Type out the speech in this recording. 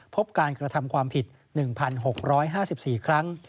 พบการกระทำความผิด๑๖๕๔ครั้ง